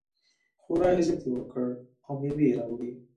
خورا عزت یې وکړ او مېوې یې راوړې.